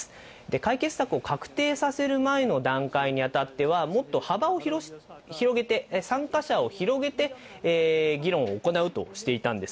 解決策を確定させる前の段階にあたっては、もっと幅を広げて、参加者を広げて議論を行うとしていたんです。